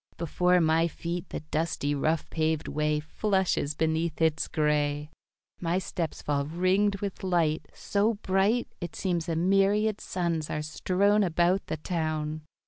Before my feet the dusty, rough paved way Flushes beneath its gray. My steps fall ringed with light, So bright, It seems a myriad suns are strown About the town.